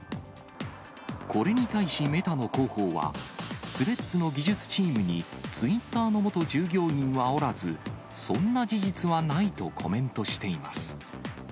これに対しメタの広報は、スレッズの技術チームにツイッターの元従業員はおらず、そんな事実はないとコメントしています。